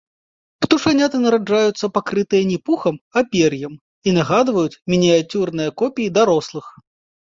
Птушаняты нараджаюцца пакрытыя не пухам, а пер'ем, і нагадваюць мініяцюрныя копіі дарослых.